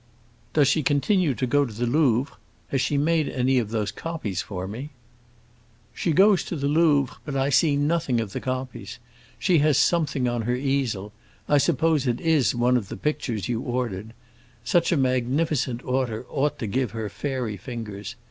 "Does she continue to go to the Louvre? Has she made any of those copies for me?" "She goes to the Louvre, but I see nothing of the copies. She has something on her easel; I suppose it is one of the pictures you ordered. Such a magnificent order ought to give her fairy fingers.